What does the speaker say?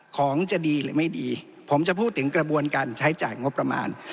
ของจะดีหรือไม่ดีผมจะพูดถึงกระบวนการใช้จ่ายงบประมาณ